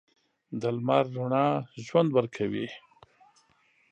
د لمر رڼا ژوند ورکوي.